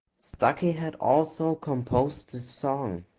Stuckey had also composed the song.